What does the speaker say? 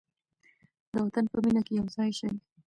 د وطن په مینه کې یو ځای شئ.